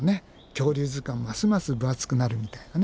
恐竜図鑑ますます分厚くなるみたいなね。